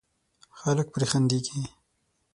خلک پرې خندېږي.